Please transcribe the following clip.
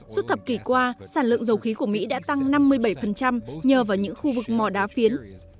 suốt thập kỷ qua sản lượng dầu khí của mỹ đã tăng năm mươi bảy nhờ vào những khu vực mỏ đá phiến